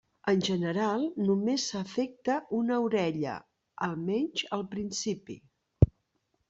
En general només s'afecta una orella, almenys al principi.